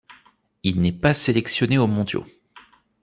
Il n'est pas sélectionné aux mondiaux.